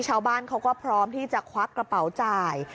ชาวบ้านเขาก็พร้อมที่จะควักกระเป๋าจ่าย